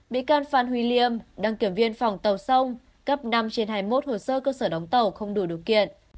bị can phan huy liêm đăng kiểm viên phòng tàu sông cấp năm trên hai mươi một hồ sơ cơ sở đóng tàu không đủ điều kiện